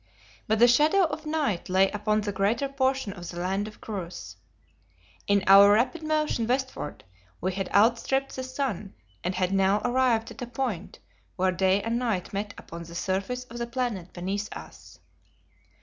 But the shadow of night lay upon the greater portion of the land of Chryse. In our rapid motion westward we had out stripped the sun and had now arrived at a point where day and night met upon the surface of the planet beneath us.